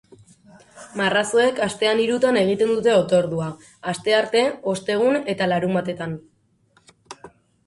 Marrazoek astean hirutan egiten dute otordua, astearte, ostegun eta larunbatetan.